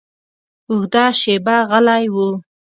اوږده شېبه غلی و.